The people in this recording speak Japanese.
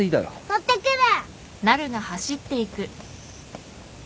取ってくる！